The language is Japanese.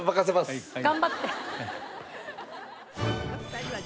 頑張って。